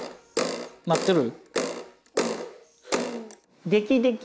鳴ってる。